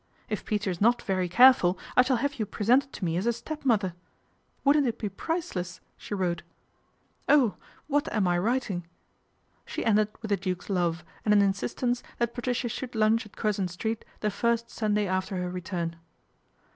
If Peter is not very careful, I shall have you pre sented to me as a stepmother. Wouldn't it be priceless !" she wrote. " Oh ! What am I writ ing ?" She ended with the Duke's love, and an insistence that Patricia should lunch at Curzon Street the first Sunday after her return.